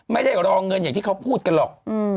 ไม่ได้รอเงินอย่างที่เขาพูดกันหรอก